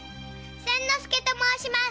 仙之助と申します！